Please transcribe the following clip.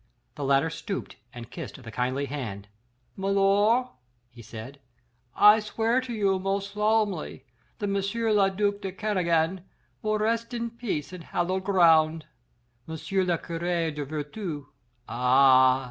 The latter stooped and kissed the kindly hand. "Milor," he said, "I swear to you most solemnly that M. le duc de Kernogan will rest in peace in hallowed ground. M. le curé de Vertou ah!